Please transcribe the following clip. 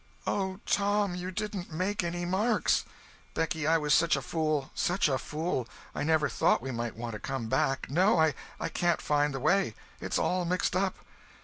"Oh, Tom, you didn't make any marks!" "Becky, I was such a fool! Such a fool! I never thought we might want to come back! No—I can't find the way. It's all mixed up."